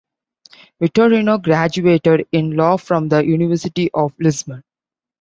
Vitorino graduated in law from the University of Lisbon.